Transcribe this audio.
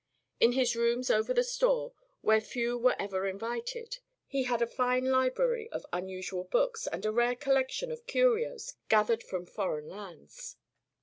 In his rooms over the store, where few were ever invited, he had a fine library of unusual books and a rare collection of curios gathered from foreign lands.